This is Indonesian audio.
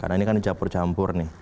karena ini kan dicampur campur nih